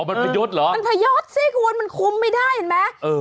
มันพยศเหรอมันพยศสิคุณมันคุ้มไม่ได้เห็นไหมเออ